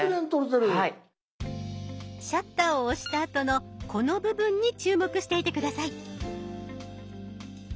シャッターを押したあとのこの部分に注目していて下さい。